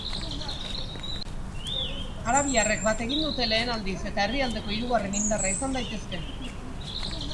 Arabiarrek bat egin dute lehen aldiz, eta herrialdeko hirugarren indarra izan daitezke.